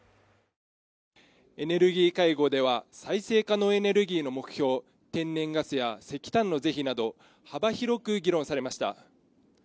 エネルギー会合では、再生可能エネルギーの目標、天然ガスや石炭の是非など幅広く議論されました。